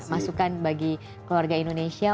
masukan bagi keluarga indonesia